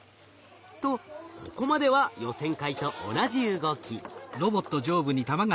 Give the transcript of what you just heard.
とここまでは予選会と同じ動き。